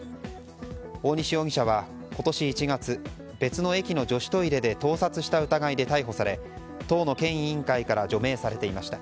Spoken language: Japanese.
大西容疑者は今年１月別の駅の女子トイレで盗撮した疑いで逮捕され党の県委員会から除名されていました。